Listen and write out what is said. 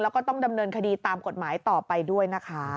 แล้วก็ต้องดำเนินคดีตามกฎหมายต่อไปด้วยนะคะ